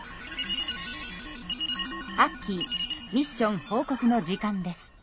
アッキーミッション報告の時間です。